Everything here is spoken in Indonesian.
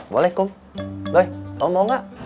boleh kum boleh kamu mau gak